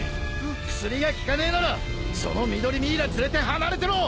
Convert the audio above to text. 薬が効かねえならその緑ミイラ連れて離れてろ！